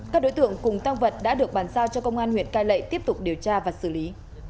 các đối tượng cùng tăng vật đã được bàn giao cho công an huyện cai lệ tiếp tục điều tra và xử lý